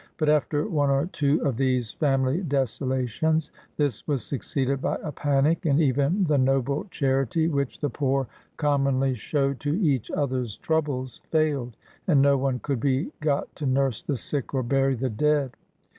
But, after one or two of these family desolations, this was succeeded by a panic, and even the noble charity which the poor commonly show to each other's troubles failed, and no one could be got to nurse the sick or bury the dead.